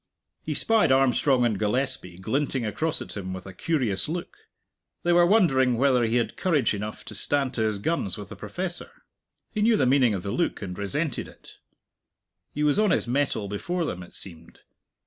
He spied Armstrong and Gillespie glinting across at him with a curious look: they were wondering whether he had courage enough to stand to his guns with a professor. He knew the meaning of the look, and resented it. He was on his mettle before them, it seemed.